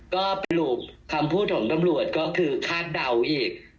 ก็สรุปคำพูดของตำรวจก็คือคาดเดาอีก